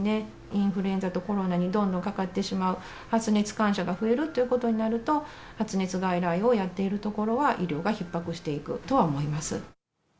インフルエンザとコロナにどんどんかかってしまう、発熱患者が増えるっていうことになると、発熱外来をやってるところは、医療がひっ迫していくとは思います。